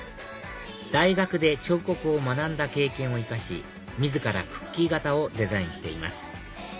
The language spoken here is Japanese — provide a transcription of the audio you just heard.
大学で彫刻を学んだ経験を生かし自らクッキー型をデザインしています